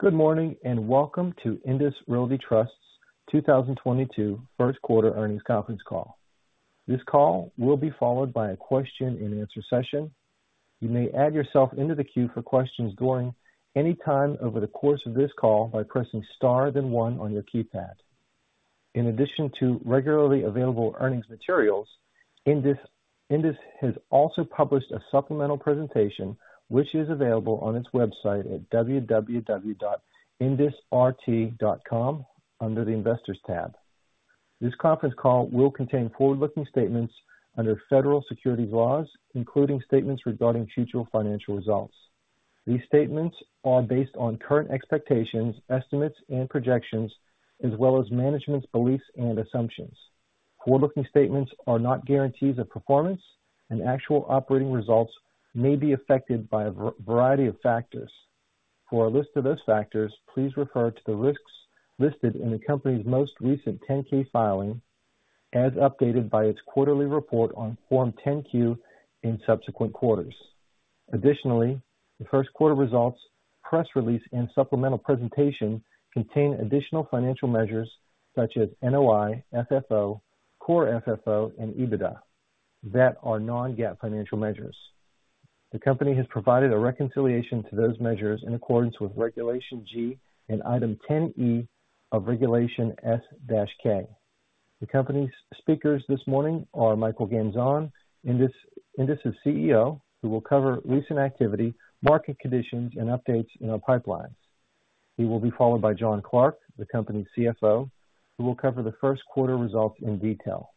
Good morning, and welcome to INDUS Realty Trust's 2022 First Quarter Earnings Conference Call. This call will be followed by a question and answer session. You may add yourself into the queue for questions during any time over the course of this call by pressing star, then one on your keypad. In addition to regularly available earnings materials, INDUS has also published a supplemental presentation which is available on its website at www.indusrt.com under the Investors tab. This conference call will contain forward-looking statements under Federal Securities laws, including statements regarding future financial results. These statements are based on current expectations, estimates, and projections as well as management's beliefs and assumptions. Forward-looking statements are not guarantees of performance, and actual operating results may be affected by a variety of factors. For a list of those factors, please refer to the risks listed in the company's most recent 10-K filing as updated by its quarterly report on Form 10-Q in subsequent quarters. Additionally, the first quarter results, press release, and supplemental presentation contain additional financial measures such as NOI, FFO, core FFO, and EBITDA that are non-GAAP financial measures. The company has provided a reconciliation to those measures in accordance with Regulation G and Item 10-E of Regulation S-K. The company's speakers this morning are Michael Gamzon, INDUS' CEO, who will cover recent activity, market conditions, and updates in our pipelines. He will be followed by Jon Clark, the company's CFO, who will cover the first quarter results in detail.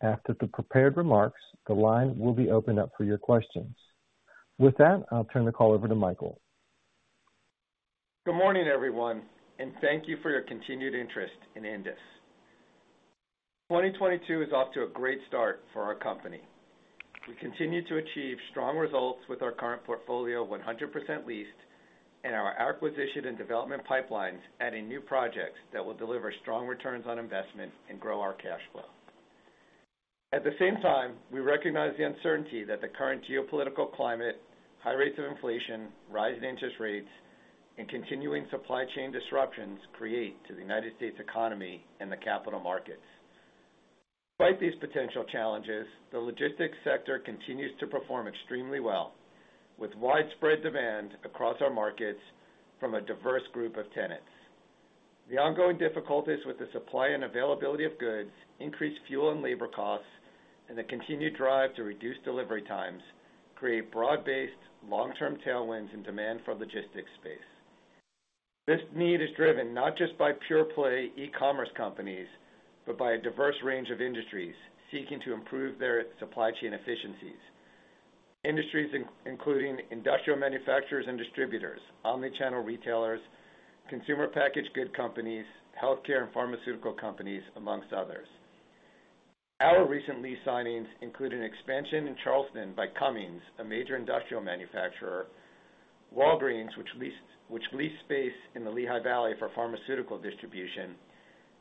After the prepared remarks, the line will be opened up for your questions. With that, I'll turn the call over to Michael. Good morning, everyone, and thank you for your continued interest in INDUS. 2022 is off to a great start for our company. We continue to achieve strong results with our current portfolio 100% leased and our acquisition and development pipelines adding new projects that will deliver strong returns on investment and grow our cash flow. At the same time, we recognize the uncertainty that the current geopolitical climate, high rates of inflation, rising interest rates, and continuing supply chain disruptions create to the United States economy and the capital markets. Despite these potential challenges, the logistics sector continues to perform extremely well, with widespread demand across our markets from a diverse group of tenants. The ongoing difficulties with the supply and availability of goods, increased fuel and labor costs, and the continued drive to reduce delivery times create broad-based long-term tailwinds and demand for logistics space. This need is driven not just by pure play e-commerce companies, but by a diverse range of industries seeking to improve their supply chain efficiencies. Industries including industrial manufacturers and distributors, omni-channel retailers, consumer packaged goods companies, healthcare and pharmaceutical companies, amongst others. Our recent lease signings include an expansion in Charleston by Cummins, a major industrial manufacturer, Walgreens, which leased space in the Lehigh Valley for pharmaceutical distribution,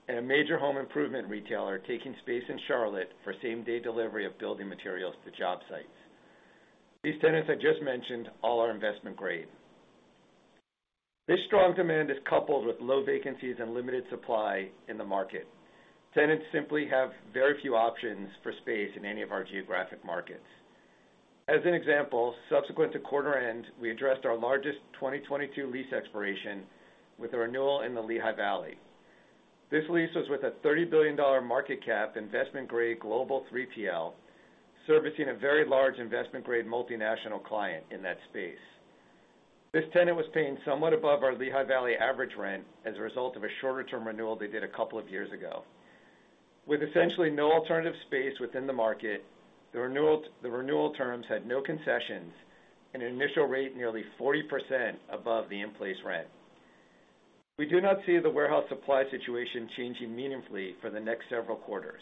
and a major home improvement retailer taking space in Charlotte for same-day delivery of building materials to job sites. These tenants I just mentioned all are investment grade. This strong demand is coupled with low vacancies and limited supply in the market. Tenants simply have very few options for space in any of our geographic markets. As an example, subsequent to quarter end, we addressed our largest 2022 lease expiration with a renewal in the Lehigh Valley. This lease was with a $30 billion market cap investment-grade global 3PL, servicing a very large investment-grade multinational client in that space. This tenant was paying somewhat above our Lehigh Valley average rent as a result of a shorter-term renewal they did a couple of years ago. With essentially no alternative space within the market, the renewal terms had no concessions and an initial rate nearly 40% above the in-place rent. We do not see the warehouse supply situation changing meaningfully for the next several quarters.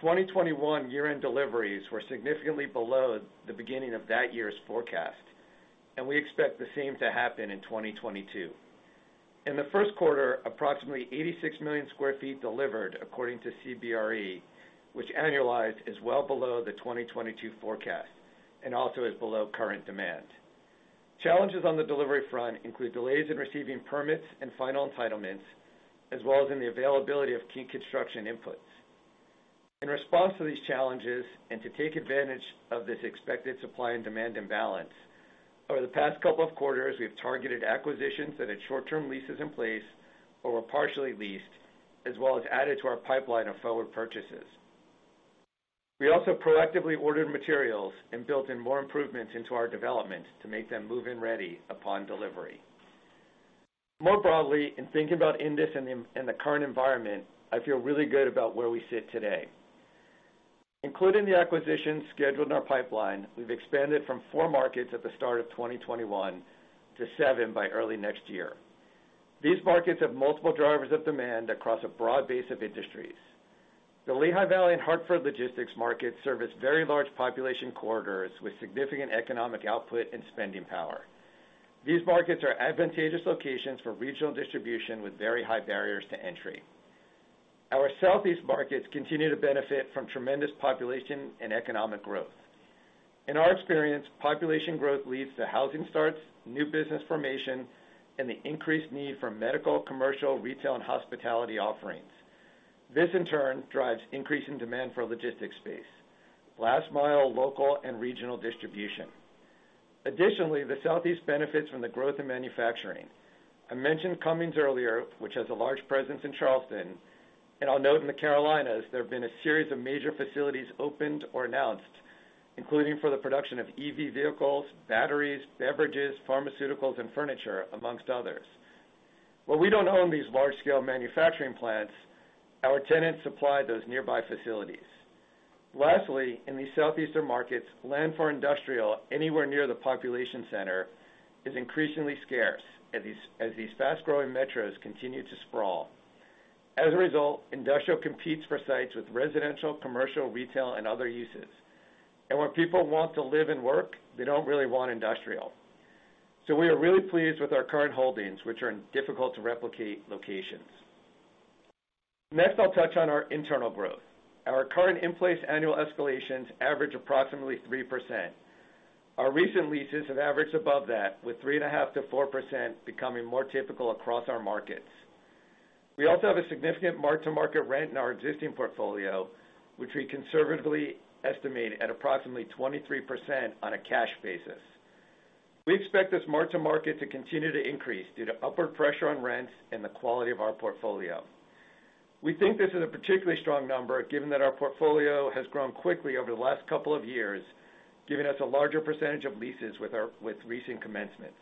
2021 year-end deliveries were significantly below the beginning of that year's forecast, and we expect the same to happen in 2022. In the first quarter, approximately 86 million sq ft delivered according to CBRE, which annualized is well below the 2022 forecast and also is below current demand. Challenges on the delivery front include delays in receiving permits and final entitlements, as well as in the availability of key construction inputs. In response to these challenges, and to take advantage of this expected supply and demand imbalance, over the past couple of quarters, we've targeted acquisitions that had short-term leases in place or were partially leased, as well as added to our pipeline of forward purchases. We also proactively ordered materials and built in more improvements into our development to make them move-in ready upon delivery. More broadly, in thinking about INDUS in the current environment, I feel really good about where we sit today. Including the acquisitions scheduled in our pipeline, we've expanded from four markets at the start of 2021 to seven by early next year. These markets have multiple drivers of demand across a broad base of industries. The Lehigh Valley and Hartford logistics markets service very large population corridors with significant economic output and spending power. These markets are advantageous locations for regional distribution with very high barriers to entry. Our Southeast markets continue to benefit from tremendous population and economic growth. In our experience, population growth leads to housing starts, new business formation, and the increased need for medical, commercial, retail, and hospitality offerings. This, in turn drives increase in demand for logistics space. Last mile local and regional distribution. Additionally, the Southeast benefits from the growth in manufacturing. I mentioned Cummins earlier, which has a large presence in Charleston. I'll note in the Carolinas, there have been a series of major facilities opened or announced. Including for the production of EV vehicles, batteries, beverages, pharmaceuticals, and furniture, among others. While we don't own these large-scale manufacturing plants, our tenants supply those nearby facilities. Lastly, in these Southeastern markets, land for industrial anywhere near the population center is increasingly scarce as these fast-growing metros continue to sprawl. As a result, industrial competes for sites with residential, commercial, retail, and other uses. Where people want to live and work, they don't really want industrial. We are really pleased with our current holdings, which are in difficult-to-replicate locations. Next, I'll touch on our internal growth. Our current in-place annual escalations average approximately 3%. Our recent leases have averaged above that, with 3.5%-4% becoming more typical across our markets. We also have a significant mark-to-market rent in our existing portfolio, which we conservatively estimate at approximately 23% on a cash basis. We expect this mark-to-market to continue to increase due to upward pressure on rents and the quality of our portfolio. We think this is a particularly strong number given that our portfolio has grown quickly over the last couple of years, giving us a larger percentage of leases with recent commencements.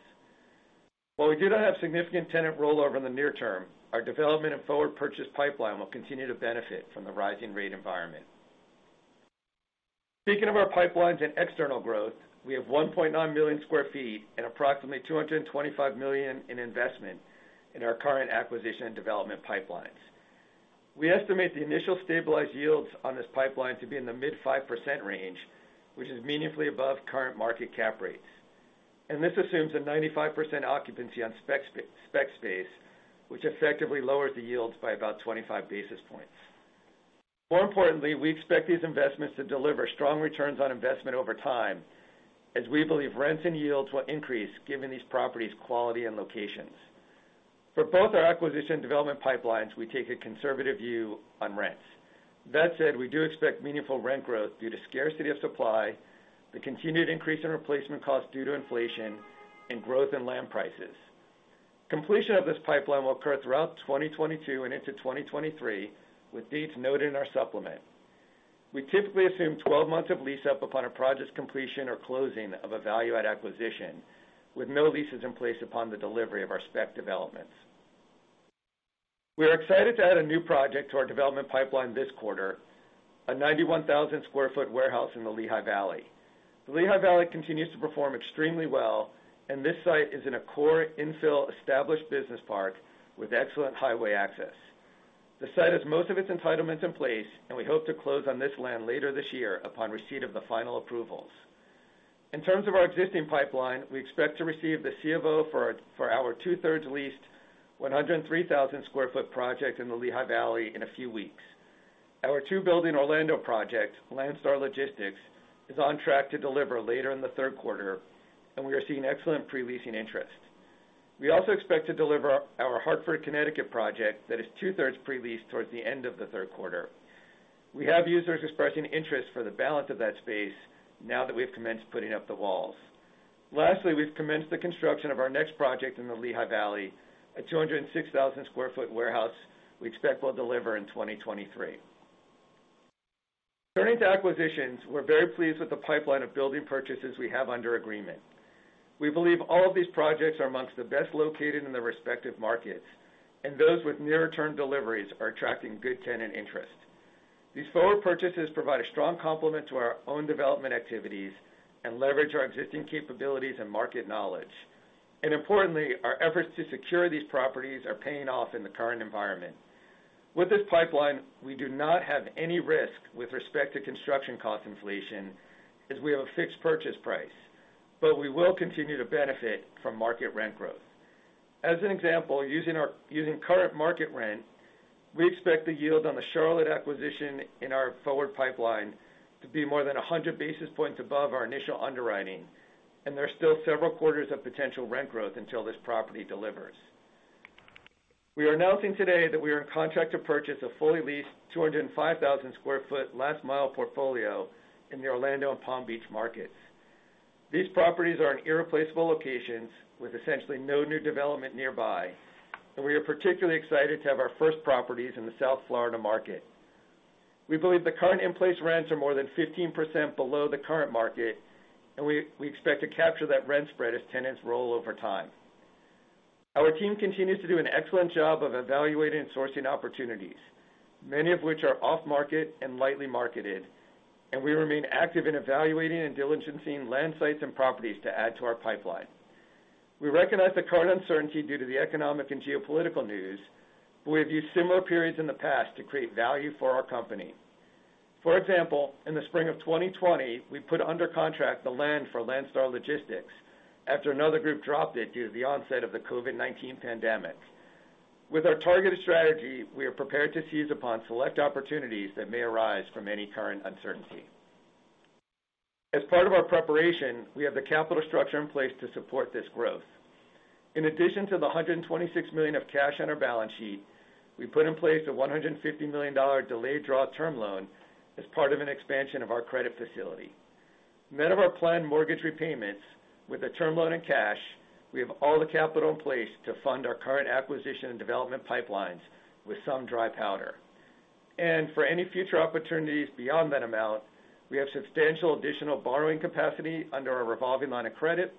While we do not have significant tenant rollover in the near term, our development and forward purchase pipeline will continue to benefit from the rising rate environment. Speaking of our pipelines and external growth, we have 1.9 million sq ft and approximately $225 million in investment in our current acquisition and development pipelines. We estimate the initial stabilized yields on this pipeline to be in the mid-5% range, which is meaningfully above current market cap rates. This assumes a 95% occupancy on spec space, which effectively lowers the yields by about 25 basis points. More importantly, we expect these investments to deliver strong returns on investment over time, as we believe rents and yields will increase given these properties' quality and locations. For both our acquisition development pipelines, we take a conservative view on rents. That said, we do expect meaningful rent growth due to scarcity of supply, the continued increase in replacement costs due to inflation, and growth in land prices. Completion of this pipeline will occur throughout 2022 and into 2023, with dates noted in our supplement. We typically assume 12 months of lease-up upon a project's completion or closing of a value-add acquisition, with no leases in place upon the delivery of our spec developments. We are excited to add a new project to our development pipeline this quarter, a 91,000 sq ft warehouse in the Lehigh Valley. The Lehigh Valley continues to perform extremely well and this site is in a core infill established business park with excellent highway access. The site has most of its entitlements in place and we hope to close on this land later this year upon receipt of the final approvals. In terms of our existing pipeline, we expect to receive the C of O for our two-thirds leased 103,000 sq ft project in the Lehigh Valley in a few weeks. Our two-building Orlando project, Landstar Logistics, is on track to deliver later in the third quarter, and we are seeing excellent pre-leasing interest. We also expect to deliver our Hartford, Connecticut project that is two-thirds pre-leased towards the end of the third quarter. We have users expressing interest for the balance of that space now that we have commenced putting up the walls. Lastly, we've commenced the construction of our next project in the Lehigh Valley, a 206,000 sq ft warehouse we expect we'll deliver in 2023. Turning to acquisitions, we're very pleased with the pipeline of building purchases we have under agreement. We believe all of these projects are amongst the best located in their respective markets, and those with near-term deliveries are attracting good tenant interest. These forward purchases provide a strong complement to our own development activities and leverage our existing capabilities and market knowledge. Importantly, our efforts to secure these properties are paying off in the current environment. With this pipeline, we do not have any risk with respect to construction cost inflation, as we have a fixed purchase price, but we will continue to benefit from market rent growth. As an example using current market rent, we expect the yield on the Charlotte acquisition in our forward pipeline to be more than 100 basis points above our initial underwriting, and there are still several quarters of potential rent growth until this property delivers. We are announcing today that we are in contract to purchase a fully leased 205,000 sq ft last mile portfolio in the Orlando and Palm Beach markets. These properties are in irreplaceable locations with essentially no new development nearby, and we are particularly excited to have our first properties in the South Florida market. We believe the current in-place rents are more than 15% below the current market, and we expect to capture that rent spread as tenants roll over time. Our team continues to do an excellent job of evaluating and sourcing opportunities, many of which are off market and lightly marketed, and we remain active in evaluating and diligencing land sites and properties to add to our pipeline. We recognize the current uncertainty due to the economic and geopolitical news, but we have used similar periods in the past to create value for our company. For example, in the spring of 2020, we put under contract the land for Landstar Logistics after another group dropped it due to the onset of the COVID-19 pandemic. With our targeted strategy, we are prepared to seize upon select opportunities that may arise from any current uncertainty. As part of our preparation, we have the capital structure in place to support this growth. In addition to the $126 million of cash on our balance sheet, we put in place a $150 million delayed draw term loan as part of an expansion of our credit facility. Net of our planned mortgage repayments with the term loan and cash, we have all the capital in place to fund our current acquisition and development pipelines with some dry powder. For any future opportunities beyond that amount, we have substantial additional borrowing capacity under our revolving line of credit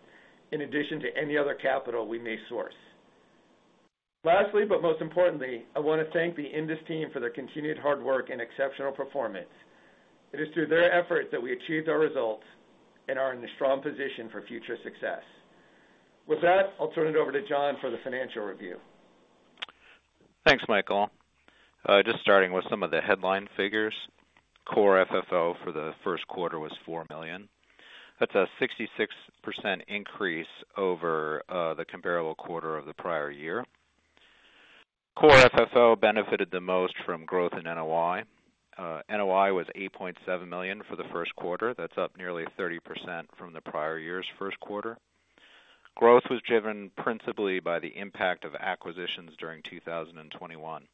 in addition to any other capital we may source. Lastly, but most importantly, I want to thank the INDUS team for their continued hard work and exceptional performance. It is through their efforts that we achieved our results and are in a strong position for future success. With that, I'll turn it over to Jon for the financial review. Thanks, Michael. Just starting with some of the headline figures. Core FFO for the first quarter was $4 million. That's a 66% increase over the comparable quarter of the prior year. Core FFO benefited the most from growth in NOI. NOI was $8.7 million for the first quarter. That's up nearly 30% from the prior year's first quarter. Growth was driven principally by the impact of acquisitions during 2021,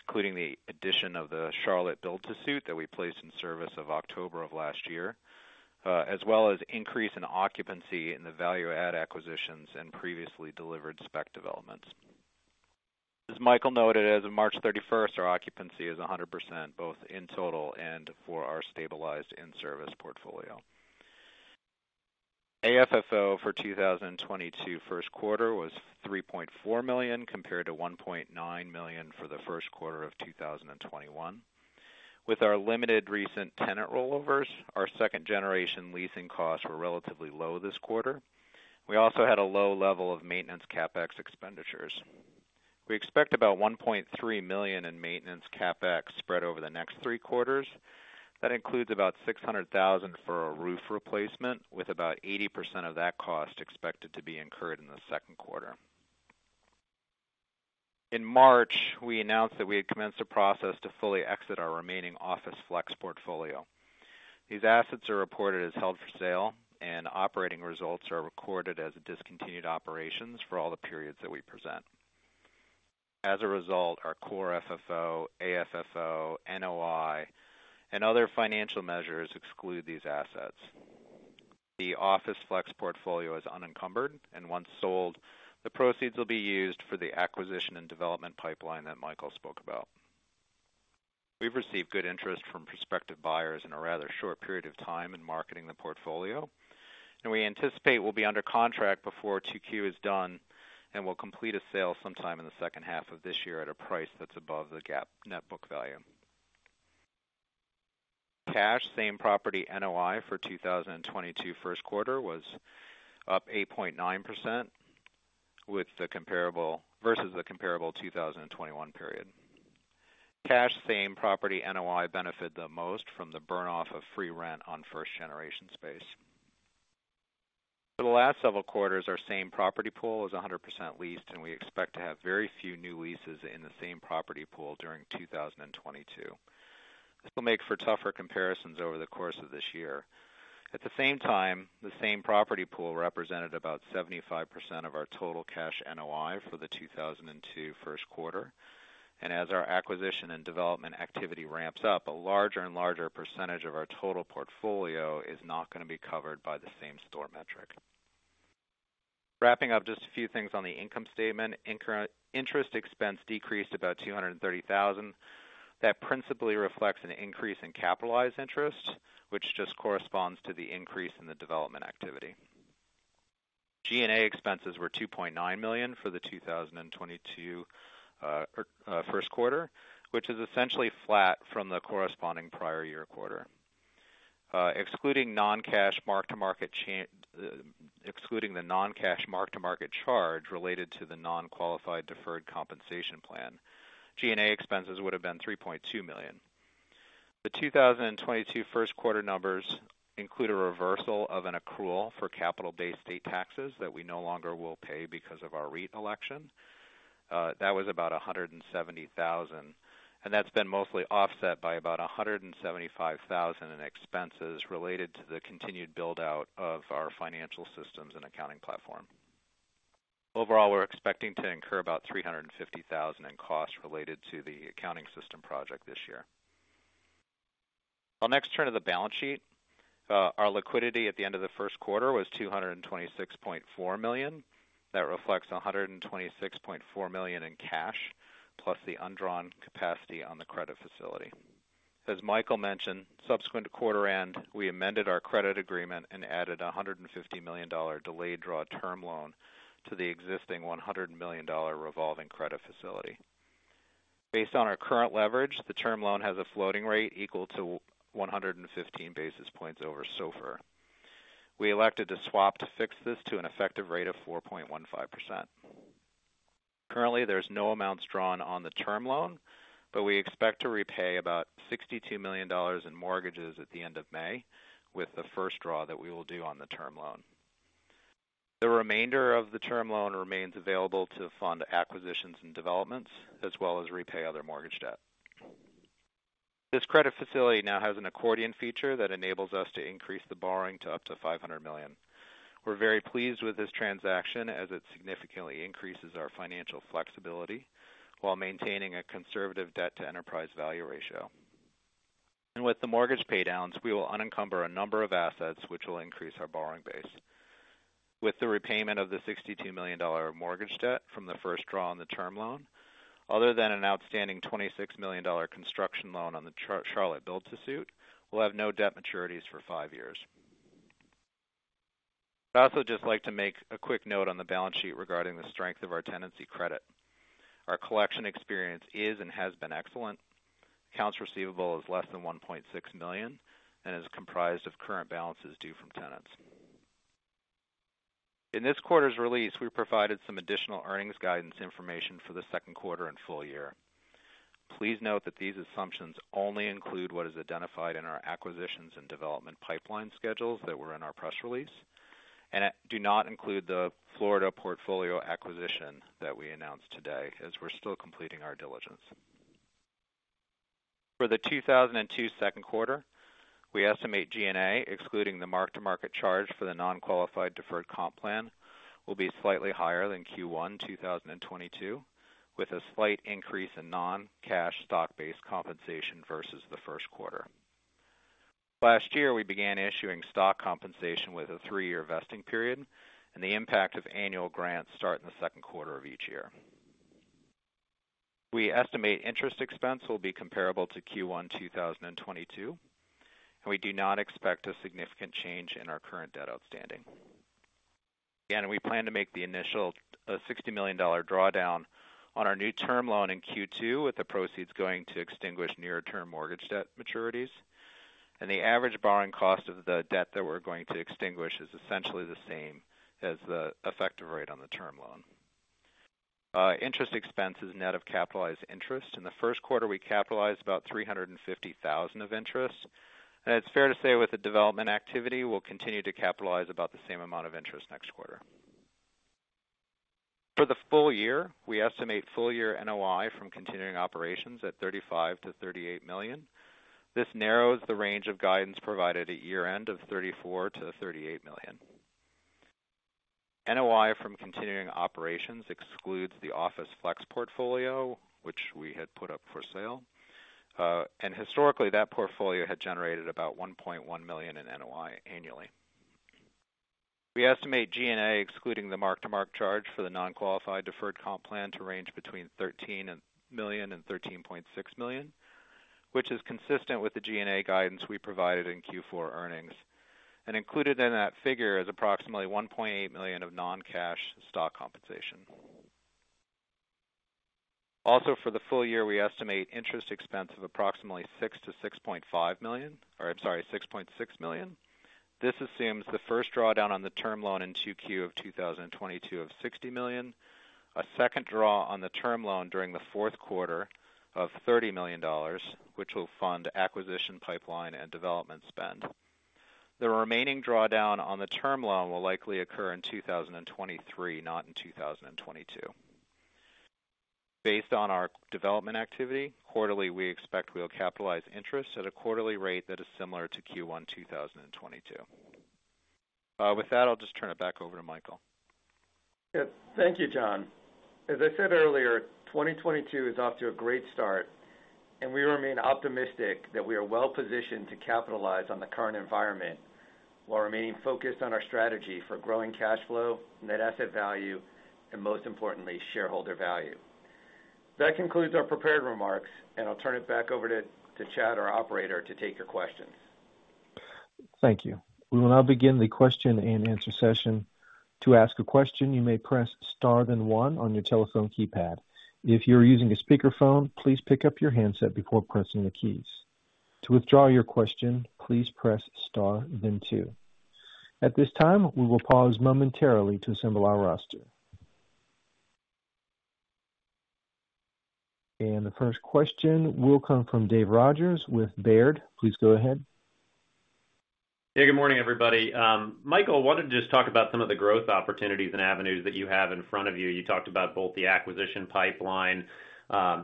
including the addition of the Charlotte build to suit that we placed in service in October of last year, as well as increase in occupancy in the value add acquisitions and previously delivered spec developments. As Michael noted, as of March 31st our occupancy is 100%, both in total and for our stabilized in-service portfolio. AFFO for 2022 first quarter was $3.4 million, compared to $1.9 million for the first quarter of 2021. With our limited recent tenant rollovers, our second generation leasing costs were relatively low this quarter. We also had a low level of maintenance CapEx expenditures. We expect about $1.3 million in maintenance CapEx spread over the next three quarters. That includes about $600,000 for a roof replacement, with about 80% of that cost expected to be incurred in the second quarter. In March, we announced that we had commenced a process to fully exit our remaining Office/Flex portfolio. These assets are reported as held for sale, and operating results are recorded as discontinued operations for all the periods that we present. As a result, our Core FFO, AFFO, NOI, and other financial measures exclude these assets. The Office/Flex portfolio is unencumbered, and once sold, the proceeds will be used for the acquisition and development pipeline that Michael spoke about. We've received good interest from prospective buyers in a rather short period of time in marketing the portfolio, and we anticipate we'll be under contract before 2Q is done, and we'll complete a sale sometime in the second half of this year at a price that's above the GAAP net book value. Cash same property NOI for 2022 first quarter was up 8.9% versus the comparable 2021 period. Cash same property NOI benefited the most from the burn off of free rent on first generation space. For the last several quarters, our same property pool is 100% leased, and we expect to have very few new leases in the same property pool during 2022. This will make for tougher comparisons over the course of this year. At the same time, the same property pool represented about 75% of our total cash NOI for the 2022 first quarter. As our acquisition and development activity ramps up, a larger and larger percentage of our total portfolio is not gonna be covered by the same store metric. Wrapping up just a few things on the income statement. Interest expense decreased about $230,000. That principally reflects an increase in capitalized interest, which just corresponds to the increase in the development activity. G&A expenses were $2.9 million for the 2022 first quarter, which is essentially flat from the corresponding prior year quarter. Excluding the non-cash mark-to-market charge related to the non-qualified deferred compensation plan, G&A expenses would have been $3.2 million. The 2022 first quarter numbers include a reversal of an accrual for capital-based state taxes that we no longer will pay because of our REIT election. That was about $170,000 and that's been mostly offset by about $175,000 in expenses related to the continued build-out of our financial systems and accounting platform. Overall, we're expecting to incur about $350,000 in costs related to the accounting system project this year. I'll next turn to the balance sheet. Our liquidity at the end of the first quarter was $226.4 million. That reflects $126.4 million in cash, plus the undrawn capacity on the credit facility. As Michael mentioned, subsequent to quarter end, we amended our credit agreement and added a $150 million delayed draw term loan to the existing $100 million revolving credit facility. Based on our current leverage, the term loan has a floating rate equal to 115 basis points over SOFR. We elected to swap to fix this to an effective rate of 4.15%. Currently, there's no amounts drawn on the term loan, but we expect to repay about $62 million in mortgages at the end of May with the first draw that we will do on the term loan. The remainder of the term loan remains available to fund acquisitions and developments, as well as repay other mortgage debt. This credit facility now has an accordion feature that enables us to increase the borrowing to up to $500 million. We're very pleased with this transaction as it significantly increases our financial flexibility while maintaining a conservative debt-to-enterprise value ratio. With the mortgage pay downs, we will unencumber a number of assets which will increase our borrowing base. With the repayment of the $62 million mortgage debt from the first draw on the term loan, other than an outstanding $26 million construction loan on the Charlotte build to suit, we'll have no debt maturities for five years. I'd also just like to make a quick note on the balance sheet regarding the strength of our tenancy credit. Our collection experience is and has been excellent. Accounts receivable is less than $1.6 million and is comprised of current balances due from tenants. In this quarter's release, we provided some additional earnings guidance information for the second quarter and full year. Please note that these assumptions only include what is identified in our acquisitions and development pipeline schedules that were in our press release, and do not include the Florida portfolio acquisition that we announced today as we're still completing our diligence. For the 2022 second quarter, we estimate G&A, excluding the mark-to-market charge for the non-qualified deferred comp plan, will be slightly higher than Q1 2022, with a slight increase in non-cash stock-based compensation versus the first quarter. Last year, we began issuing stock compensation with a three-year vesting period, and the impact of annual grants start in the second quarter of each year. We estimate interest expense will be comparable to Q1 2022, and we do not expect a significant change in our current debt outstanding. Again, we plan to make the initial $60 million drawdown on our new term loan in Q2, with the proceeds going to extinguish near-term mortgage debt maturities. The average borrowing cost of the debt that we're going to extinguish is essentially the same as the effective rate on the term loan. Interest expense is net of capitalized interest. In the first quarter, we capitalized about $350,000 of interest. It's fair to say with the development activity, we'll continue to capitalize about the same amount of interest next quarter. For the full year, we estimate full-year NOI from continuing operations at $35 million-$38 million. This narrows the range of guidance provided at year-end of $34 million-$38 million. NOI from continuing operations excludes the Office/Flex portfolio, which we had put up for sale. Historically, that portfolio had generated about $1.1 million in NOI annually. We estimate G&A, excluding the mark-to-market charge for the non-qualified deferred comp plan, to range between $13 million and $13.6 million, which is consistent with the G&A guidance we provided in Q4 earnings. Included in that figure is approximately $1.8 million of non-cash stock compensation. Also, for the full year, we estimate interest expense of approximately $6 million-$6.5 million, oh sorry, $6.6 million. This assumes the first drawdown on the term loan in 2Q of 2022 of $60 million, a second draw on the term loan during the fourth quarter of $30 million, which will fund acquisition pipeline and development spend. The remaining drawdown on the term loan will likely occur in 2023, not in 2022. Based on our development activity, quarterly, we expect we'll capitalize interest at a quarterly rate that is similar to Q1 2022. With that, I'll just turn it back over to Michael. Yeah. Thank you, Jon. As I said earlier, 2022 is off to a great start, and we remain optimistic that we are well-positioned to capitalize on the current environment while remaining focused on our strategy for growing cash flow, net asset value, and most importantly, shareholder value. That concludes our prepared remarks, and I'll turn it back over to Chad, our Operator, to take your questions. Thank you. We will now begin the question-and-answer session. To ask a question, you may press star then one on your telephone keypad. If you're using a speakerphone, please pick up your handset before pressing the keys. To withdraw your question, please press star then two. At this time, we will pause momentarily to assemble our roster. The first question will come from Dave Rodgers with Baird. Please go ahead. Yeah. Good morning, everybody. Michael, I wanted to just talk about some of the growth opportunities and avenues that you have in front of you. You talked about both the acquisition pipeline,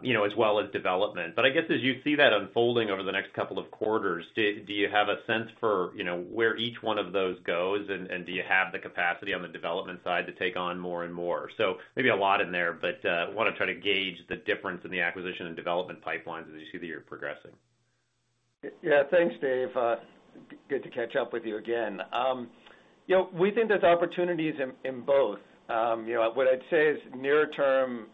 you know, as well as development. I guess as you see that unfolding over the next couple of quarters, do you have a sense for, you know, where each one of those goes, and do you have the capacity on the development side to take on more and more? Maybe a lot in there, but want to try to gauge the difference in the acquisition and development pipelines as you see that you're progressing. Yeah. Thanks, Dave. Good to catch up with you again. You know, we think there's opportunities in both. You know, what I'd say is nearer term,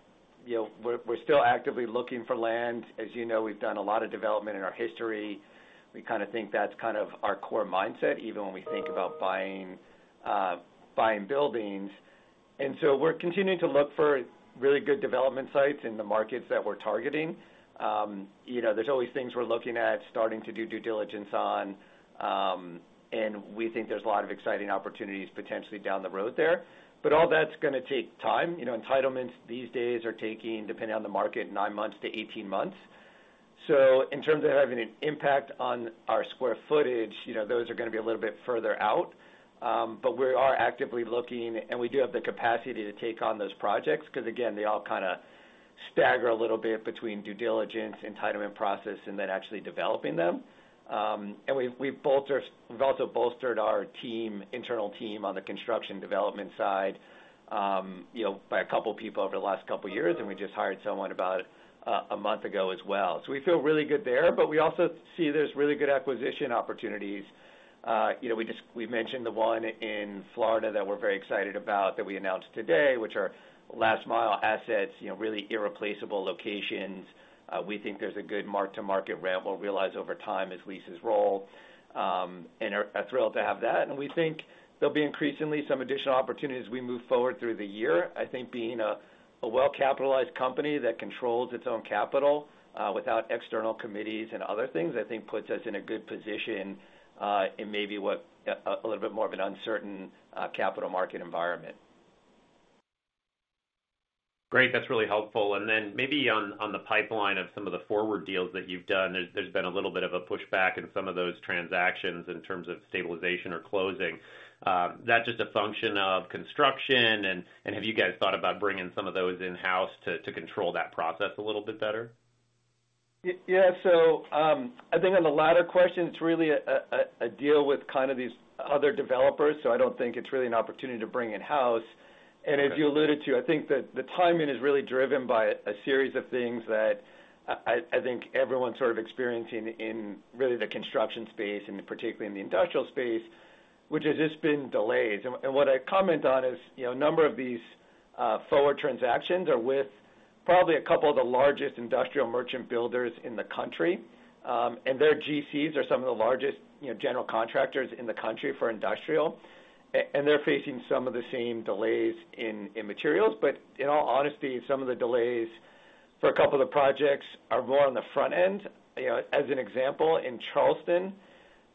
you know, we're still actively looking for land. As you know, we've done a lot of development in our history. We kind of think that's kind of our core mindset, even when we think about buying buildings. And so we're continuing to look for really good development sites in the markets that we're targeting. You know, there's always things we're looking at starting to do due diligence on, and we think there's a lot of exciting opportunities potentially down the road there. All that's gonna take time. You know, entitlements these days are taking, depending on the market, 9-18 months. In terms of having an impact on our square footage, you know, those are gonna be a little bit further out. We are actively looking, and we do have the capacity to take on those projects 'cause again, they all kinda stagger a little bit between due diligence, entitlement process, and then actually developing them. We've also bolstered our team, internal team on the construction development side, you know, by a couple people over the last couple years, and we just hired someone about a month ago as well. We feel really good there, but we also see there's really good acquisition opportunities. You know, we mentioned the one in Florida that we're very excited about, that we announced today, which are last mile assets, you know, really irreplaceable locations. We think there's a good mark-to-market rent we'll realize over time as leases roll, and we are thrilled to have that. We think there'll be increasingly some additional opportunities as we move forward through the year. I think being a well-capitalized company that controls its own capital without external committees and other things, I think puts us in a good position in maybe what a little bit more of an uncertain capital market environment. Great. That's really helpful. Maybe on the pipeline of some of the forward deals that you've done, there's been a little bit of a pushback in some of those transactions in terms of stabilization or closing. Is that just a function of construction? Have you guys thought about bringing some of those in-house to control that process a little bit better? Yeah. I think on the latter question, it's really a deal with kind of these other developers, so I don't think it's really an opportunity to bring in-house. As you alluded to, I think that the timing is really driven by a series of things that I think everyone's sort of experiencing in really the construction space, and particularly in the industrial space, which has just been delays. What I'd comment on is, you know, a number of these forward transactions are with probably a couple of the largest industrial merchant builders in the country. Their GCs are some of the largest, you know, general contractors in the country for industrial. They're facing some of the same delays in materials, but in all honesty, some of the delays for a couple of the projects are more on the front end. You know, as an example, in Charleston,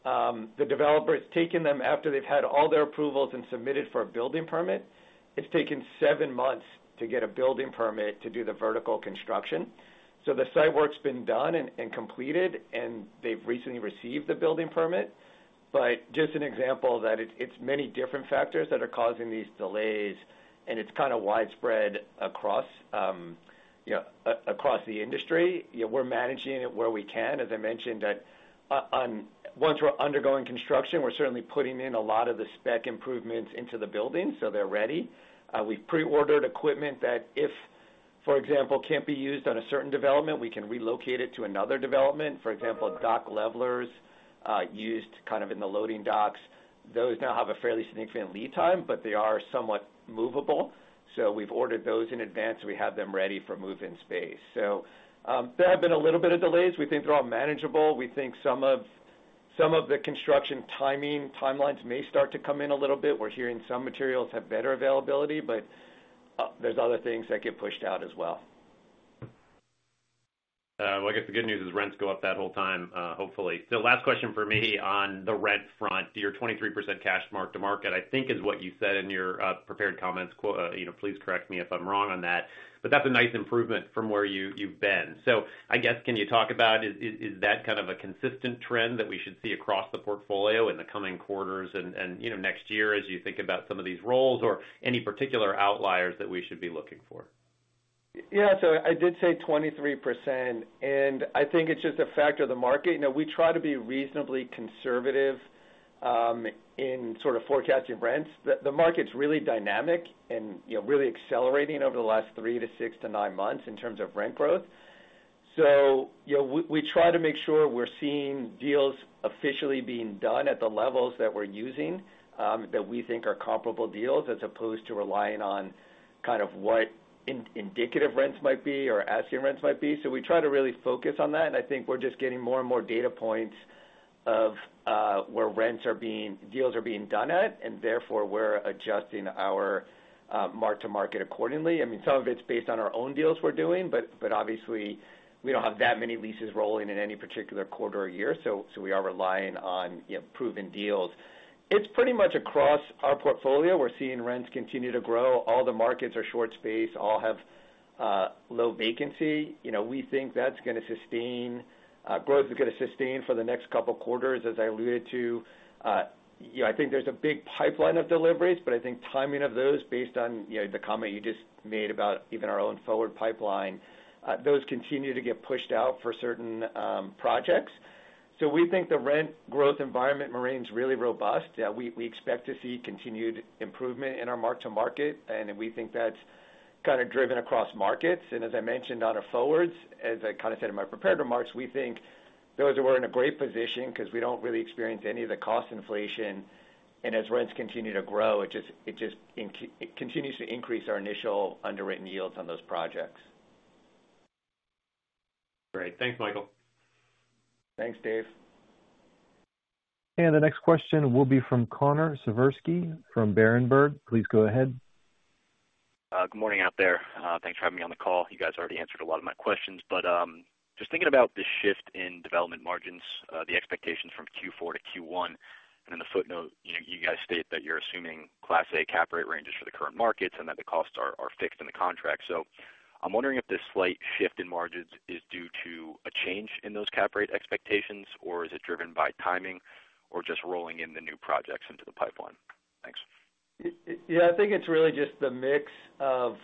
the developer, it's taken them after they've had all their approvals and submitted for a building permit, it's taken seven months to get a building permit to do the vertical construction. The site work's been done and completed, and they've recently received the building permit. Just an example that it's many different factors that are causing these delays, and it's kind of widespread across, you know, across the industry. You know, we're managing it where we can. As I mentioned, once we're undergoing construction, we're certainly putting in a lot of the spec improvements into the building so they're ready. We've pre-ordered equipment that if, for example, can't be used on a certain development, we can relocate it to another development. For example, dock levelers used kind of in the loading docks. Those now have a fairly significant lead time, but they are somewhat movable. We've ordered those in advance, so we have them ready for move-in space. There have been a little bit of delays. We think they're all manageable. We think some of the construction timing, timelines may start to come in a little bit. We're hearing some materials have better availability, but there's other things that get pushed out as well. Well, I guess the good news is rents go up that whole time, hopefully. Last question from me on the rent front. Your 23% cash mark-to-market, I think is what you said in your prepared comments, quote. You know, please correct me if I'm wrong on that. That's a nice improvement from where you've been. I guess, can you talk about, is that kind of a consistent trend that we should see across the portfolio in the coming quarters and, you know, next year as you think about some of these roles, or any particular outliers that we should be looking for? Yeah. I did say 23%, and I think it's just a factor of the market. You know, we try to be reasonably conservative in sort of forecasting rents. The market's really dynamic and, you know, really accelerating over the last 3 to 6 to 9 months in terms of rent growth. You know, we try to make sure we're seeing deals officially being done at the levels that we're using, that we think are comparable deals as opposed to relying on kind of what indicative rents might be or asking rents might be. We try to really focus on that, and I think we're just getting more and more data points of where rents are being deals are being done at, and therefore, we're adjusting our mark-to-market accordingly. I mean, some of it's based on our own deals we're doing, but obviously we don't have that many leases rolling in any particular quarter or year. So we are relying on, you know, proven deals. It's pretty much across our portfolio. We're seeing rents continue to grow. All the markets are short space, all have low vacancy. You know, we think that's gonna sustain, growth is gonna sustain for the next couple quarters. As I alluded to, you know, I think there's a big pipeline of deliveries, but I think timing of those based on, you know, the comment you just made about even our own forward pipeline, those continue to get pushed out for certain projects. So we think the rent growth environment remains really robust. We expect to see continued improvement in our mark-to-market, and we think that's kind of driven across markets. As I mentioned on our forwards, as I kind of said in my prepared remarks, we think those were in a great position 'cause we don't really experience any of the cost inflation. As rents continue to grow, it continues to increase our initial underwritten yields on those projects. Great. Thanks, Michael. Thanks, Dave. The next question will be from Connor Siversky from Berenberg. Please go ahead. Good morning out there. Thanks for having me on the call. You guys already answered a lot of my questions. Just thinking about the shift in development margins, the expectations from Q4 to Q1. In the footnote, you guys state that you're assuming class A cap rate ranges for the current markets and that the costs are fixed in the contract. I'm wondering if this slight shift in margins is due to a change in those cap rate expectations, or is it driven by timing or just rolling in the new projects into the pipeline? Thanks. Yeah. I think it's really just the mix of,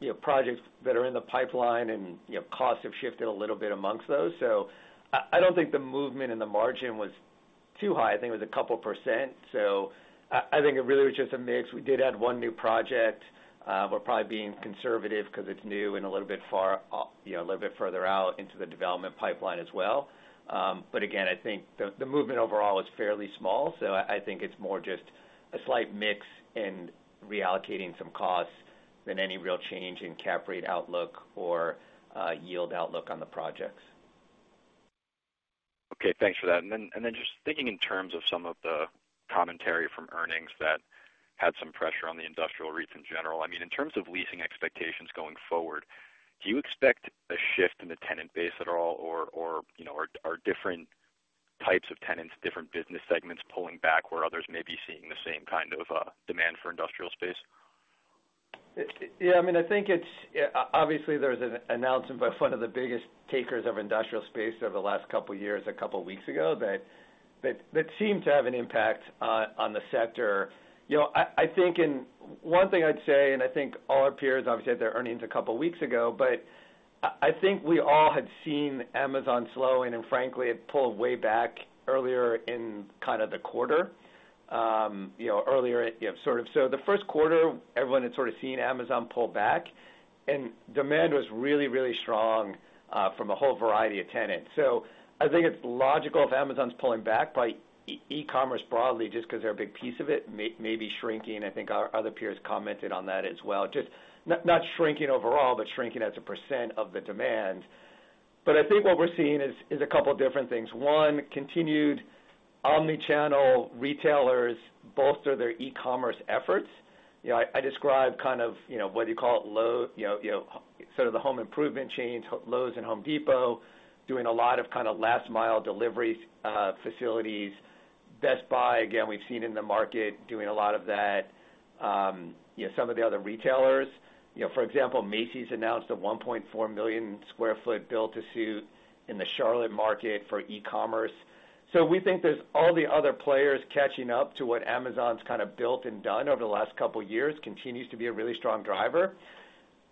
you know, projects that are in the pipeline and, you know, costs have shifted a little bit amongst those. I don't think the movement in the margin was too high. I think it was a couple percent. I think it really was just a mix. We did add one new project. We're probably being conservative 'cause it's new and a little bit far, you know, a little bit further out into the development pipeline as well. Again, I think the movement overall is fairly small. I think it's more just a slight mix in reallocating some costs than any real change in cap rate outlook or yield outlook on the projects. Okay, thanks for that. Just thinking in terms of some of the commentary from earnings that had some pressure on the industrial REITs in general. I mean, in terms of leasing expectations going forward, do you expect a shift in the tenant base at all or, you know, are different types of tenants, different business segments pulling back where others may be seeing the same kind of demand for industrial space? Yeah. I mean, I think it's obviously there's an announcement by one of the biggest takers of industrial space over the last couple of years, a couple of weeks ago that seemed to have an impact on the sector. One thing I'd say. I think all our peers had their earnings a couple weeks ago. I think we all had seen Amazon slowing, and frankly, it pulled way back earlier in kind of the quarter, sort of. The first quarter, everyone had sort of seen Amazon pull back, and demand was really strong from a whole variety of tenants. I think it's logical if Amazon's pulling back by e-commerce broadly, just 'cause they're a big piece of it, maybe shrinking. I think our other peers commented on that as well. Just not shrinking overall, but shrinking as a percent of the demand. I think what we're seeing is a couple different things. One, continued omni-channel retailers bolster their e-commerce efforts. You know, I describe kind of, you know, whether you call it, you know, sort of the home improvement chains, Lowe's and Home Depot, doing a lot of kind of last-mile delivery facilities. Best Buy, again, we've seen in the market doing a lot of that. You know, some of the other retailers, you know, for example, Macy's announced a 1.4 million sq ft build-to-suit in the Charlotte market for e-commerce. We think there's all the other players catching up to what Amazon's kind of built and done over the last couple of years, continues to be a really strong driver.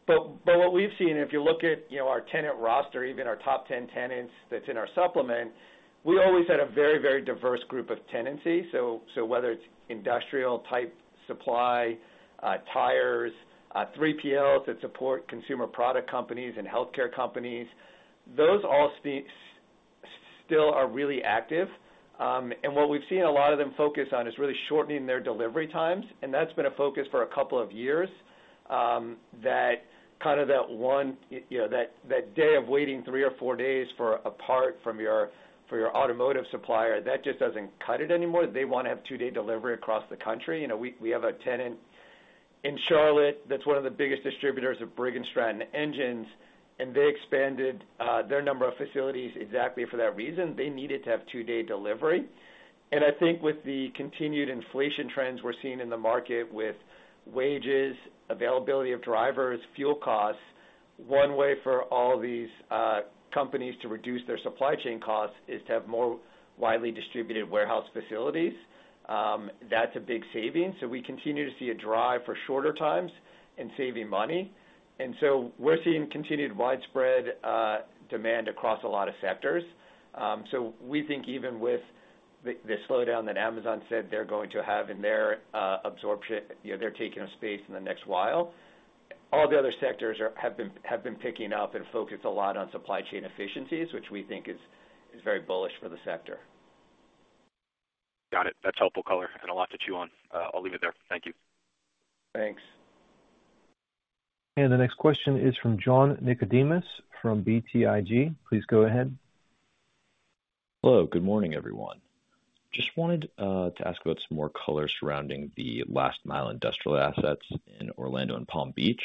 But what we've seen, if you look at, you know, our tenant roster, even our top 10 tenants that's in our supplement, we always had a very diverse group of tenancy. Whether it's industrial-type supply, tires, 3PLs that support consumer product companies and healthcare companies, those all still are really active. And what we've seen a lot of them focus on is really shortening their delivery times, and that's been a focus for a couple of years. You know, that day of waiting three or four days for a part from your automotive supplier, that just doesn't cut it anymore. They wanna have two-day delivery across the country. You know, we have a tenant in Charlotte that's one of the biggest distributors of Briggs & Stratton engines, and they expanded their number of facilities exactly for that reason. They needed to have two-day delivery. I think with the continued inflation trends we're seeing in the market with wages, availability of drivers, fuel costs, one way for all these companies to reduce their supply chain costs is to have more widely distributed warehouse facilities. That's a big saving. We continue to see a drive for shorter times and saving money. We're seeing continued widespread demand across a lot of sectors. We think even with the slowdown that Amazon said they're going to have in their absorption, you know, their taking of space in the next while, all the other sectors have been picking up and focus a lot on supply chain efficiencies, which we think is very bullish for the sector. Got it. That's helpful color and a lot to chew on. I'll leave it there. Thank you. Thanks. The next question is from John Nikodemus from BTIG. Please go ahead. Hello, good morning, everyone. Just wanted to ask about some more color surrounding the last mile industrial assets in Orlando and Palm Beach.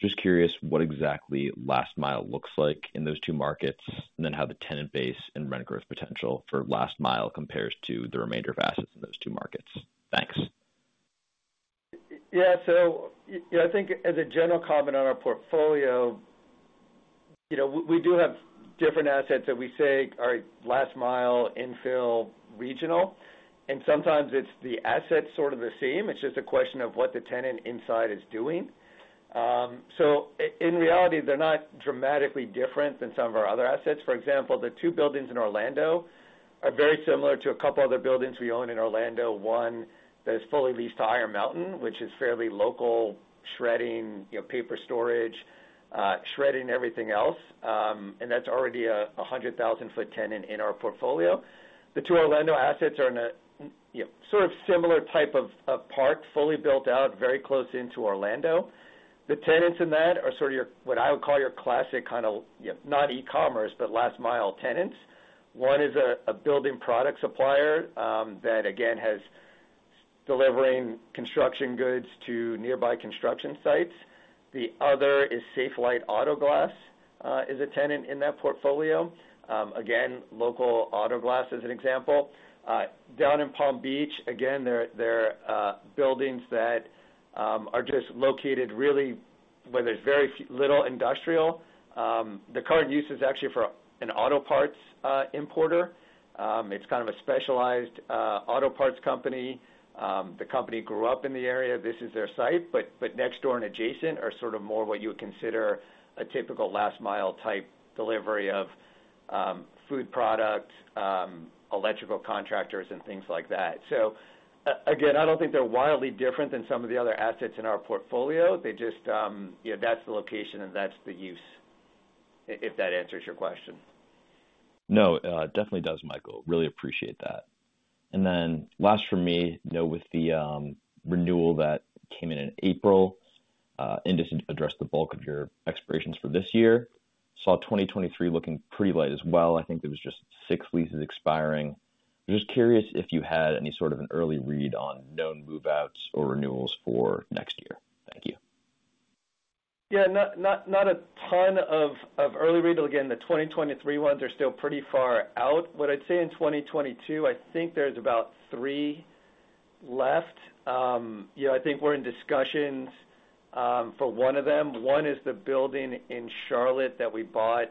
Just curious what exactly last mile looks like in those two markets, and then how the tenant base and rent growth potential for last mile compares to the remainder of assets in those two markets. Thanks. Yeah. You know, I think as a general comment on our portfolio, you know, we do have different assets that we say are last mile infill regional, and sometimes it's the asset sort of the same. It's just a question of what the tenant inside is doing. In reality, they're not dramatically different than some of our other assets. For example, the two buildings in Orlando are very similar to a couple other buildings we own in Orlando. One that is fully leased to Iron Mountain, which is fairly local shredding, you know, paper storage, shredding everything else. And that's already a 100,000 sq ft tenant in our portfolio. The two Orlando assets are in a sort of similar type of park, fully built out, very close to Orlando. The tenants in that are sort of what I would call your classic kind of not e-commerce, but last mile tenants. One is a building product supplier that again is delivering construction goods to nearby construction sites. The other is Safelite AutoGlass, is a tenant in that portfolio. Again, local auto glass as an example. Down in Palm Beach, again, they're buildings that are just located really where there's very little industrial. The current use is actually for an auto parts importer. It's kind of a specialized auto parts company. The company grew up in the area. This is their site, but next door and adjacent are sort of more what you would consider a typical last mile type delivery of food products, electrical contractors and things like that. Again, I don't think they're wildly different than some of the other assets in our portfolio. They just, you know, that's the location and that's the use, if that answers your question. No, definitely does, Michael. Really appreciate that. Then last for me, with the renewal that came in in April, and just addressed the bulk of your expirations for this year. Saw 2023 looking pretty light as well. I think there was just six leases expiring. I'm just curious if you had any sort of an early read on known move-outs or renewals for next year. Thank you. Yeah. Not a ton of early read. Again, the 2023 ones are still pretty far out. What I'd say in 2022, I think there's about three left. You know, I think we're in discussions for one of them. One is the building in Charlotte that we bought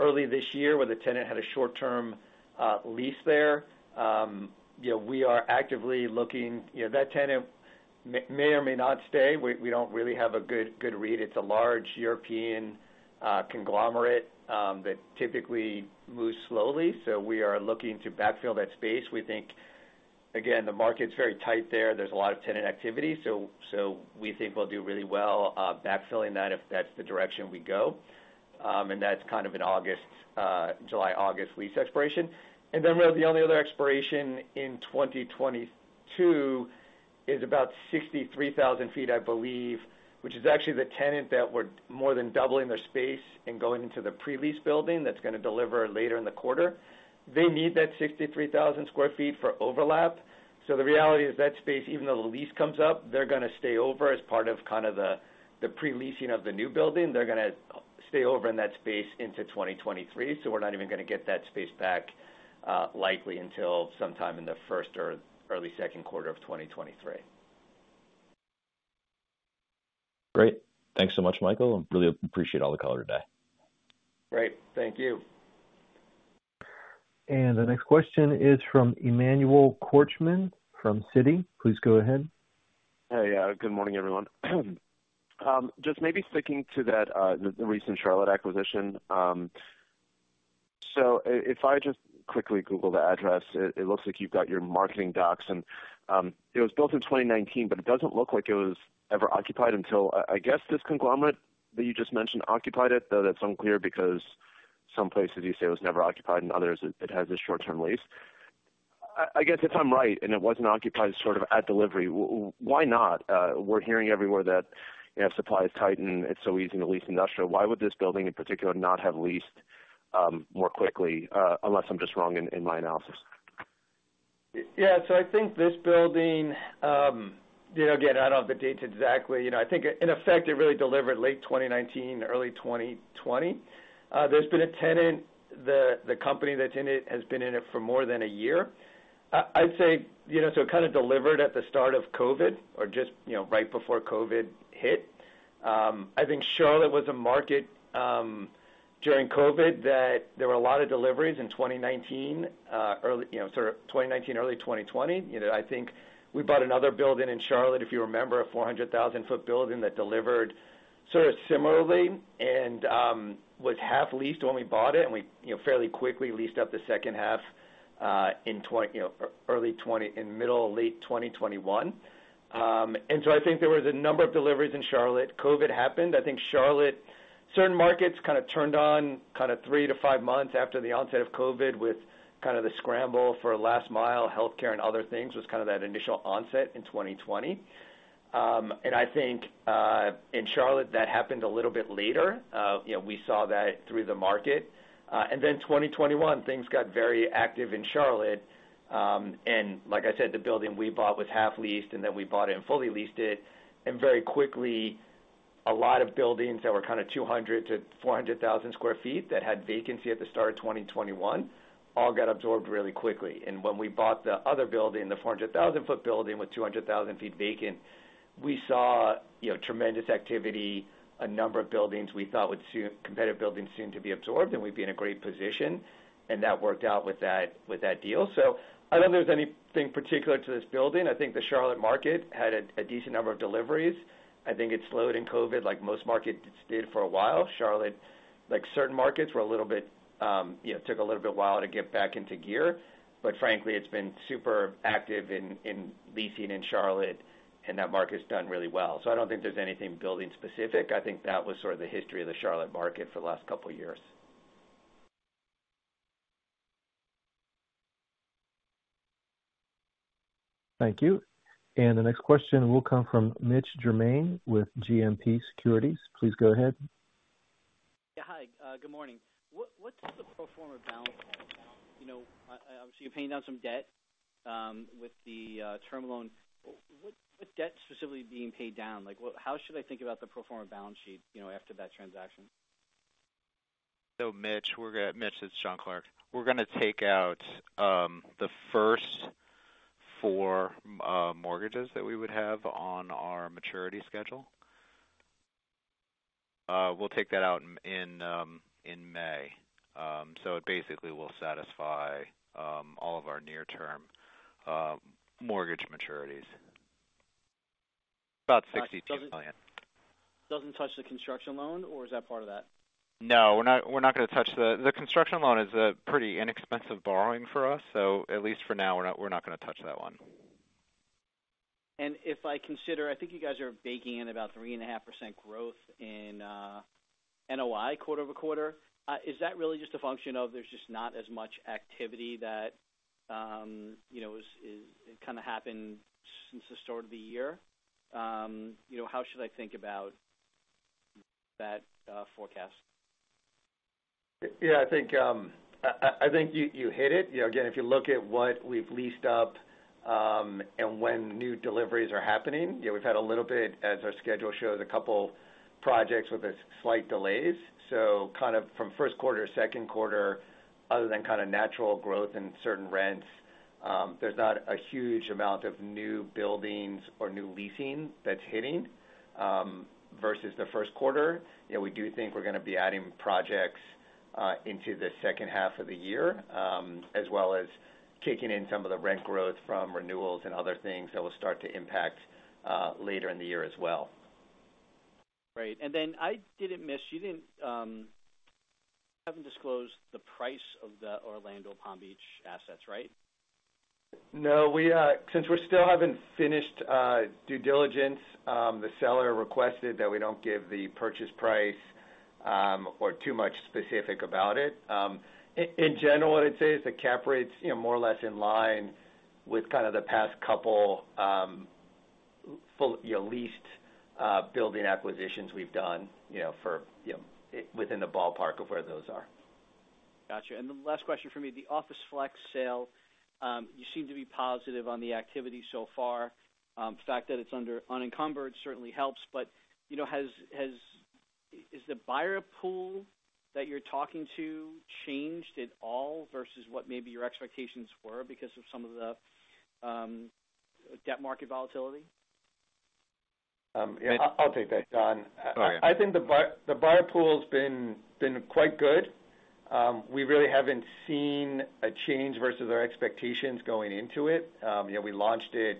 early this year, where the tenant had a short-term lease there. You know, we are actively looking. You know, that tenant may or may not stay. We don't really have a good read. It's a large European conglomerate that typically moves slowly. So we are looking to backfill that space. We think, again, the market's very tight there. There's a lot of tenant activity. So we think we'll do really well backfilling that if that's the direction we go. That's kind of an August, July-August lease expiration. Really the only other expiration in 2022 is about 63,000 sq ft, I believe, which is actually the tenant that we're more than doubling their space and going into the pre-lease building that's gonna deliver later in the quarter. They need that 63,000 sq ft for overlap. The reality is that space, even though the lease comes up, they're gonna stay over as part of kind of the pre-leasing of the new building. They're gonna stay over in that space into 2023, so we're not even gonna get that space back, likely until sometime in the first or early second quarter of 2023. Great. Thanks so much, Michael, and really appreciate all the color today. Great. Thank you. The next question is from Emmanuel Korchman from Citi. Please go ahead. Hey. Yeah, good morning, everyone. Just maybe sticking to that, the recent Charlotte acquisition. So if I just quickly Google the address, it looks like you've got your marketing docs and, it was built in 2019, but it doesn't look like it was ever occupied until, I guess this conglomerate that you just mentioned occupied it, though that's unclear because some places you say it was never occupied, and others it has a short-term lease. I guess if I'm right, and it wasn't occupied sort of at delivery, why not? We're hearing everywhere that, you know, supply is tight and it's so easy to lease industrial. Why would this building in particular not have leased more quickly? Unless I'm just wrong in my analysis. Yeah. I think this building, you know, again, I don't have the dates exactly. You know, I think in effect it really delivered late 2019, early 2020. There's been a tenant. The company that's in it has been in it for more than a year. I'd say, you know, so it kind of delivered at the start of COVID or just, you know, right before COVID hit. I think Charlotte was a market, during COVID that there were a lot of deliveries in 2019, early, you know, sort of 2019, early 2020. You know, I think we bought another building in Charlotte, if you remember, a 400,000 sq ft building that delivered sort of similarly and was half leased when we bought it, and we, you know, fairly quickly leased up the second half in middle, late 2021. I think there was a number of deliveries in Charlotte. COVID happened. I think Charlotte. Certain markets kind of turned on 3-5 months after the onset of COVID, with the scramble for last mile healthcare and other things, that initial onset in 2020. I think in Charlotte, that happened a little bit later. You know, we saw that through the market. 2021, things got very active in Charlotte. Like I said, the building we bought was half leased, and then we bought it and fully leased it. Very quickly, a lot of buildings that were kind of 200,000-400,000 sq ft that had vacancy at the start of 2021 all got absorbed really quickly. When we bought the other building, the 400,000 sq ft building with 200,000 sq ft vacant, we saw, you know, tremendous activity. A number of buildings we thought competitive buildings seem to be absorbed, and we'd be in a great position, and that worked out with that, with that deal. I don't think there's anything particular to this building. I think the Charlotte market had a decent number of deliveries. I think it slowed in COVID like most markets did for a while. Charlotte, like certain markets, were a little bit, you know, took a little bit of a while to get back into gear. Frankly, it's been super active in leasing in Charlotte, and that market's done really well. I don't think there's anything building specific. I think that was sort of the history of the Charlotte market for the last couple years. Thank you. The next question will come from Mitch Germain with JMP Securities. Please go ahead. Yeah. Hi, good morning. What's the pro forma balance? You know, obviously, you're paying down some debt with the term loan. What debt's specifically being paid down? Like, how should I think about the pro forma balance sheet, you know, after that transaction? Mitch, it's Jon Clark. We're gonna take out the first four mortgages that we would have on our maturity schedule. We'll take that out in May. It basically will satisfy all of our near-term mortgage maturities. About $62 million. Doesn't touch the construction loan, or is that part of that? No, we're not gonna touch. The construction loan is a pretty inexpensive borrowing for us. At least for now, we're not gonna touch that one. If I consider, I think you guys are baking in about 3.5% growth in NOI quarter-over-quarter. Is that really just a function of there's just not as much activity that you know it kinda happened since the start of the year? You know, how should I think about that forecast? Yeah, I think you hit it. You know, again, if you look at what we've leased up and when new deliveries are happening, you know, we've had a little bit as our schedule shows, a couple projects with a slight delays. Kind of from first quarter, second quarter, other than kind of natural growth in certain rents, there's not a huge amount of new buildings or new leasing that's hitting versus the first quarter. You know, we do think we're gonna be adding projects into the second half of the year, as well as kicking in some of the rent growth from renewals and other things that will start to impact later in the year as well. Right. You haven't disclosed the price of the Orlando Palm Beach assets, right? No, since we still haven't finished due diligence, the seller requested that we don't give the purchase price or too much specifics about it. In general, I'd say the cap rate's, you know, more or less in line with kind of the past couple full, you know, leased building acquisitions we've done, you know, within the ballpark of where those are. Got you. The last question for me, the Office/Flex sale, you seem to be positive on the activity so far. The fact that it's unencumbered certainly helps, but, you know, is the buyer pool that you're talking to changed at all versus what maybe your expectations were because of some of the debt market volatility? Yeah, I'll take that, Jon. Oh, yeah. I think the buyer pool's been quite good. We really haven't seen a change versus our expectations going into it. You know, we launched it,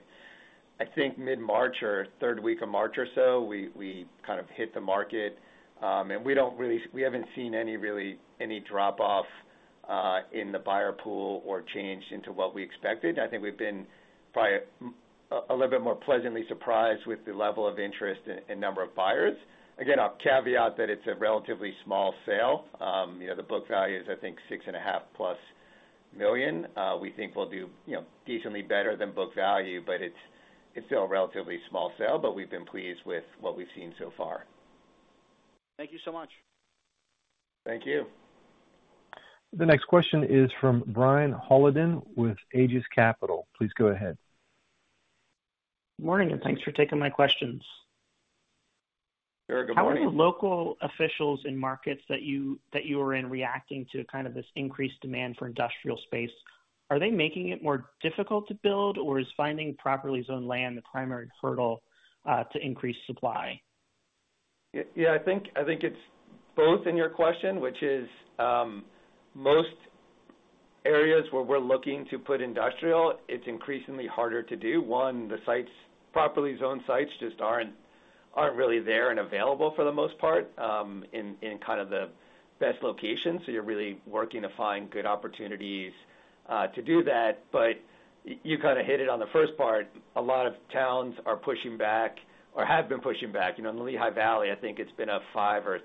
I think, mid-March or third week of March or so. We kind of hit the market. We haven't seen any drop off in the buyer pool or change into what we expected. I think we've been probably a little bit more pleasantly surprised with the level of interest and number of buyers. Again, I'll caveat that it's a relatively small sale. You know, the book value is, I think, $6.5 million+. We think we'll do, you know, decently better than book value, but it's still a relatively small sale, but we've been pleased with what we've seen so far. Thank you so much. Thank you. The next question is from Brian Hollenden with Aegis Capital. Please go ahead. Morning, and thanks for taking my questions. Sure. Good morning. How are the local officials in markets that you are in reacting to kind of this increased demand for industrial space? Are they making it more difficult to build, or is finding properly zoned land the primary hurdle to increase supply? Yeah, I think it's both in your question, which is, most areas where we're looking to put industrial, it's increasingly harder to do. One, the sites, properly zoned sites just aren't really there and available for the most part, in kind of the best locations, so you're really working to find good opportunities to do that. But you kinda hit it on the first part. A lot of towns are pushing back or have been pushing back. You know, in Lehigh Valley, I think it's been a 5- or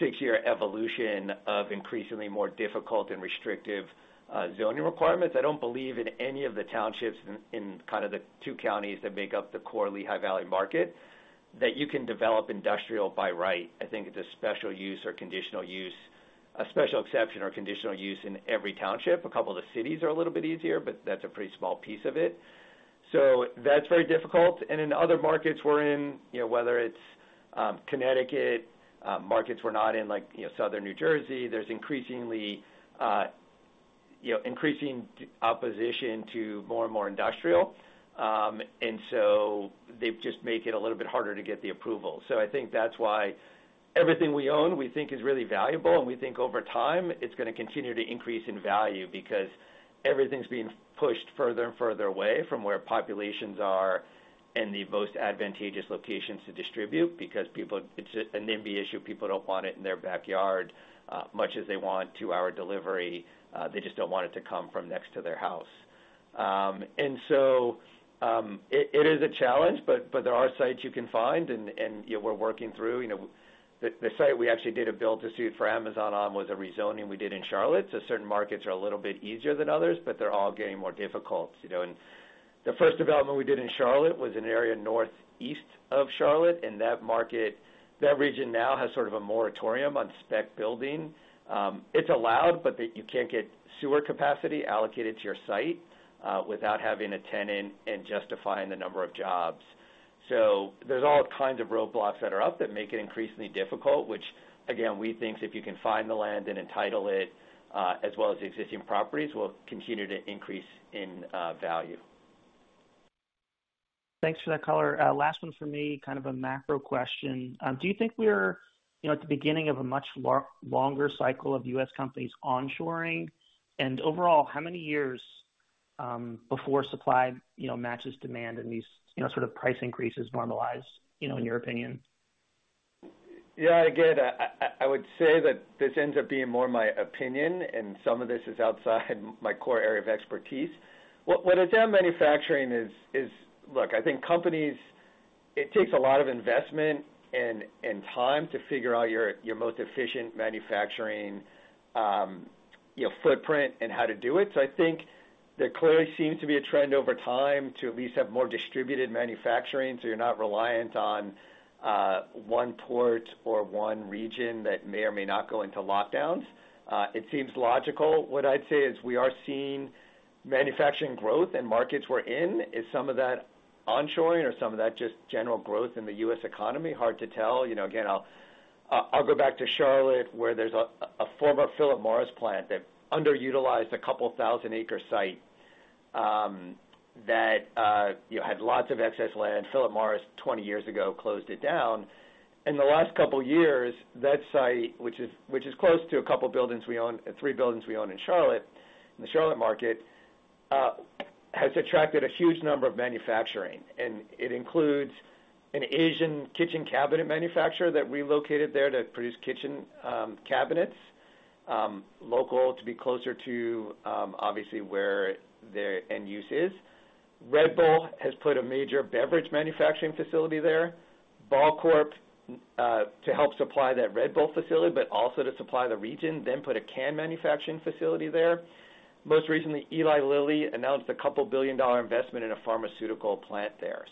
6-year evolution of increasingly more difficult and restrictive zoning requirements. I don't believe in any of the townships in kind of the two counties that make up the core Lehigh Valley market that you can develop industrial by right. I think it's a special use or conditional use, a special exception or conditional use in every township. A couple of the cities are a little bit easier, but that's a pretty small piece of it. That's very difficult. In other markets we're in, you know, whether it's Connecticut, markets we're not in, like, you know, southern New Jersey, there's increasingly, you know, increasing opposition to more and more industrial. They just make it a little bit harder to get the approval. I think that's why everything we own, we think is really valuable, and we think over time, it's gonna continue to increase in value because everything's being pushed further and further away from where populations are in the most advantageous locations to distribute because people don't want it in their backyard. Much as they want two-hour delivery, they just don't want it to come from next to their house. It is a challenge, but there are sites you can find, and you know, we're working through. You know, the site we actually did a build to suit for Amazon on was a rezoning we did in Charlotte. Certain markets are a little bit easier than others, but they're all getting more difficult, you know. The first development we did in Charlotte was an area northeast of Charlotte, and that market, that region now has sort of a moratorium on spec building. It's allowed, but you can't get sewer capacity allocated to your site without having a tenant and justifying the number of jobs. There's all kinds of roadblocks that are up that make it increasingly difficult which again, we think if you can find the land and entitle it, as well as the existing properties, will continue to increase in value. Thanks for that color. Last one for me, kind of a macro question. Do you think we're, you know, at the beginning of a much longer cycle of U.S. companies onshoring? Overall, how many years before supply, you know, matches demand and these, you know, sort of price increases normalize, you know, in your opinion? I would say that this ends up being more my opinion, and some of this is outside my core area of expertise. What I'd say on manufacturing is, look, I think companies. It takes a lot of investment and time to figure out your most efficient manufacturing, you know, footprint and how to do it. I think there clearly seems to be a trend over time to at least have more distributed manufacturing, so you're not reliant on one port or one region that may or may not go into lockdowns. It seems logical. What I'd say is we are seeing manufacturing growth in markets we're in. Is some of that onshoring or some of that just general growth in the U.S. economy? Hard to tell. You know, again, I'll go back to Charlotte, where there's a former Philip Morris plant that underutilized a couple thousand acre site, that, you know, had lots of excess land. Philip Morris, 20 years ago, closed it down. In the last couple years, that site, which is close to a couple buildings we own, three buildings we own in Charlotte, in the Charlotte market, has attracted a huge number of manufacturing. It includes an Asian kitchen cabinet manufacturer that relocated there to produce kitchen cabinets locally to be closer to, obviously where their end users are. Red Bull has put a major beverage manufacturing facility there. Ball Corporation, to help supply that Red Bull facility, but also to supply the region, then put a can manufacturing facility there. Most recently, Eli Lilly announced a couple billion dollar investment in a pharmaceutical plant there.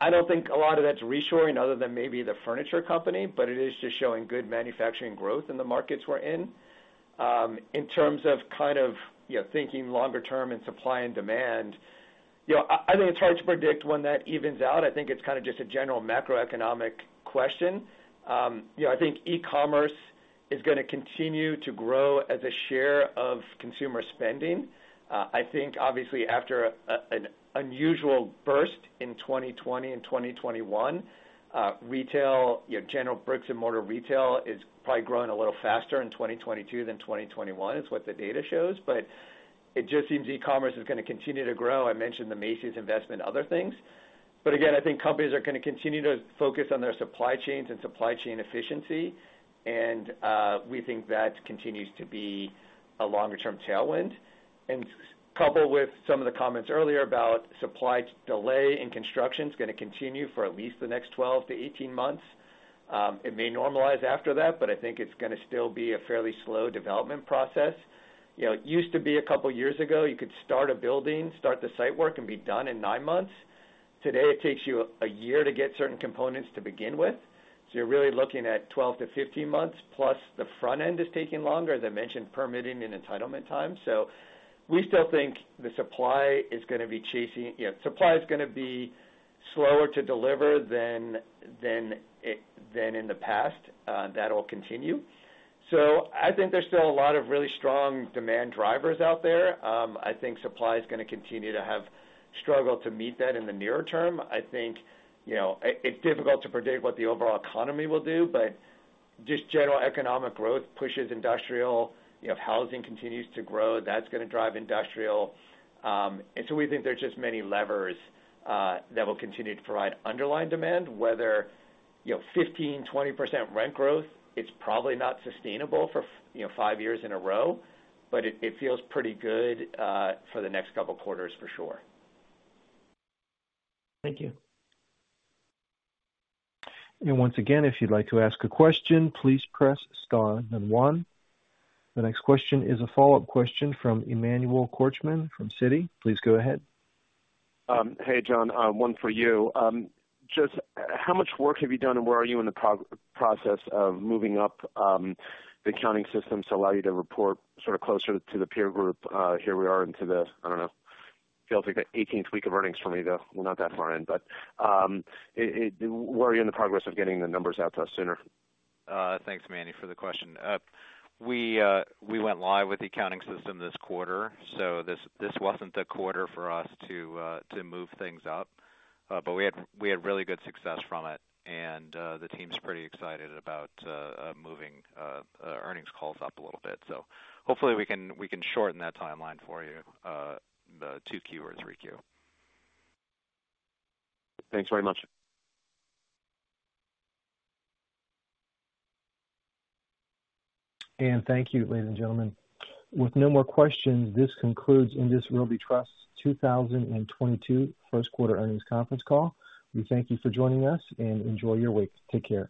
I don't think a lot of that's reshoring other than maybe the furniture company, but it is just showing good manufacturing growth in the markets we're in. In terms of kind of, you know, thinking longer term and supply and demand, I think it's hard to predict when that evens out. I think it's kind of just a general macroeconomic question. You know, I think e-commerce is gonna continue to grow as a share of consumer spending. I think obviously after an unusual burst in 2020 and 2021, retail, you know, general bricks and mortar retail is probably growing a little faster in 2022 than 2021. It's what the data shows. It just seems e-commerce is gonna continue to grow. I mentioned the Macy's investment, other things. Again, I think companies are gonna continue to focus on their supply chains and supply chain efficiency. We think that continues to be a longer term tailwind. Coupled with some of the comments earlier about supply delay and construction's gonna continue for at least the next 12-18 months. It may normalize after that, but I think it's gonna still be a fairly slow development process. You know, it used to be a couple years ago, you could start a building, start the site work, and be done in 9 months. Today it takes you a year to get certain components to begin with. You're really looking at 12-15 months, plus the front end is taking longer, as I mentioned permitting and entitlement time. We still think the supply is gonna be chasing. You know, supply is gonna be slower to deliver than in the past. That will continue. I think there's still a lot of really strong demand drivers out there. I think supply is gonna continue to struggle to meet that in the near term. I think, you know, it's difficult to predict what the overall economy will do, but just general economic growth pushes industrial. You know, if housing continues to grow, that's gonna drive industrial. We think there's just many levers that will continue to provide underlying demand, whether, you know, 15%-20% rent growth, it's probably not sustainable for five years in a row, but it feels pretty good for the next couple quarters for sure. Thank you. Once again, if you'd like to ask a question, please press star then one. The next question is a follow-up question from Emmanuel Korchman from Citi. Please go ahead. Hey, Jon, one for you. Just how much work have you done and where are you in the process of moving up the accounting systems to allow you to report sort of closer to the peer group? Here we are into the, I don't know, feels like the eighteenth week of earnings for me, though we're not that far in. Where are you in the progress of getting the numbers out to us sooner? Thanks, Emmanuel for the question. We went live with the accounting system this quarter, so this wasn't the quarter for us to move things up. We had really good success from it, and the team's pretty excited about moving earnings calls up a little bit. Hopefully we can shorten that timeline for you by 2Q or 3Q. Thanks very much. Thank you, ladies and gentlemen. With no more questions, this concludes INDUS Realty Trust 2022 First Quarter Earnings Conference Call. We thank you for joining us and enjoy your week. Take care.